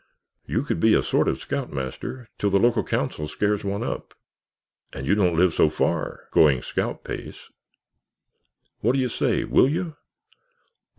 You could be a sort of scoutmaster till the Local Council scares one up. And you don't live so far—going scout pace. What do you say? Will you?"